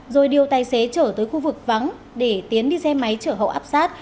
rồi điều tài xế trở tới khu vực vắng để tiến đi xe máy chở hậu áp sát